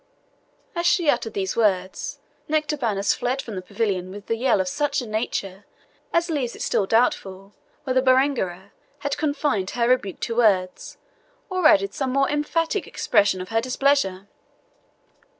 As she uttered these words, Nectabanus fled from the pavilion with a yell of such a nature as leaves it still doubtful whether Berengaria had confined her rebuke to words, or added some more emphatic expression of her displeasure.